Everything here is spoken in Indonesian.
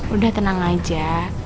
udah tenang aja